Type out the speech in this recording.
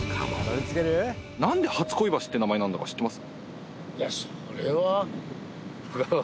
なんではつこい橋って名前なんだか知ってます？